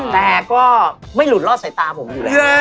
แต่ก็ไม่หลุดรอดสายตาผมอยู่แล้ว